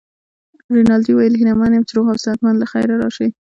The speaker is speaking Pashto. رینالډي وویل: هیله من یم چي روغ او صحت مند له خیره راشې.